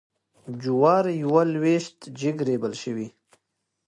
جوارېوه لویشت جګ ریبل شوي وې.